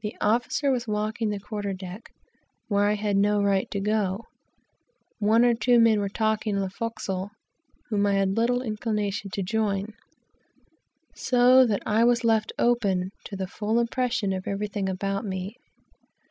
The officer was walking the quarter deck, where I had no right to go, one or two men were talking on the forecastle, whom I had little inclination to join, so that I was left open to the full impression of everything about me.